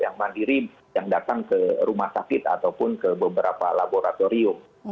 yang mandiri yang datang ke rumah sakit ataupun ke beberapa laboratorium